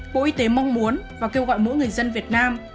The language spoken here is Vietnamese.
bộ y tế mong muốn và kêu gọi mỗi người dân việt nam